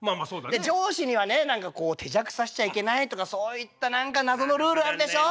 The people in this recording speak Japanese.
で上司にはね何かこう手酌させちゃいけないとかそういった何か謎のルールあるでしょ？